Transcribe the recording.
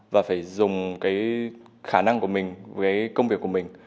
và phải dùng cái khả năng của mình với công việc của mình